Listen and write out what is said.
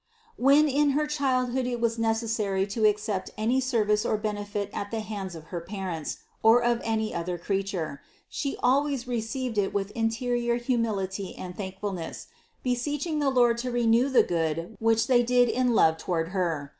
384. When in her childhood it was necessary to ac cept any service or benefit at the hands of her parents or of any other creature, She always received it with interior humility and thankfulness, beseeching the Lord to reward the good which they did in love toward Her.